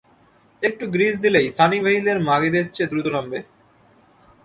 একটু গ্রিজ দিলেই, সানিভেইলের মাগিদের চেয়ে দ্রুত নামবে।